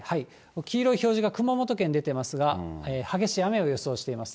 黄色い表示が熊本県に出てますが、激しい雨を予想しています。